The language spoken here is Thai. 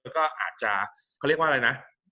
แล้วก็อาจจะเขาเรียกว่าอะไรนะ